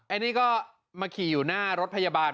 อันนี้ก็มาขี่อยู่หน้ารถพยาบาล